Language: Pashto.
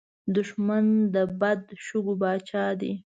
دښمن د بد شګو پاچا وي